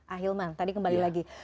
ahilman tadi kembali lagi